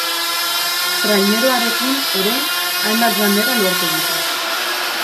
Traineruarekin ere hainbat bandera lortu ditu.